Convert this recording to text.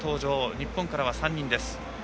日本からは３人です。